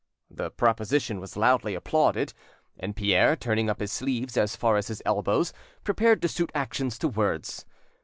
The proposition was loudly applauded, and Pierre, turning up his sleeves as far as his elbows, prepared to suit actions to words.